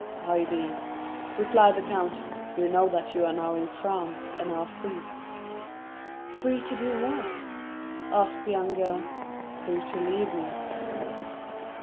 "Haydée," replied the count, "you know that you are now in France, and are free." "Free to do what?" asked the young girl. "Free to leave me."